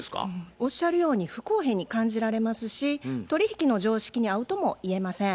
おっしゃるように不公平に感じられますし取り引きの常識に合うともいえません。